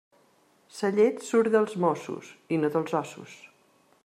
Sa llet surt dels mossos i no dels ossos.